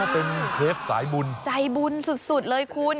เป็นเทปสายบุญใจบุญสุดเลยคุณ